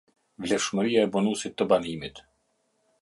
Vlefshmëria e bonusit të banimit.